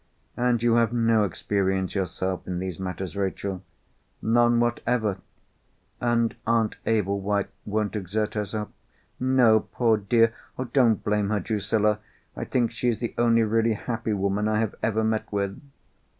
"And you have no experience yourself in these matters, Rachel?" "None whatever." "And Aunt Ablewhite won't exert herself?" "No, poor dear. Don't blame her, Drusilla. I think she is the only really happy woman I have ever met with."